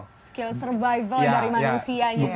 skill survival dari manusianya